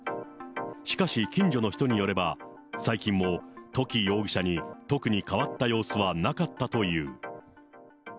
しかし、近所の人によれば、最近も土岐容疑者に特に変わった様子はなかったという。